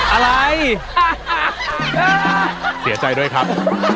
อะไรเสียใจด้วยครับ